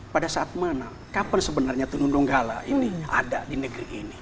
pada saat mana kapan sebenarnya tenun donggala ini ada di negeri ini